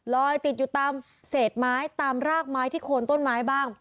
ลอยติดอยู่ตามเศษไม้ตามรากไม้ที่โคนต้นไม้บ้าง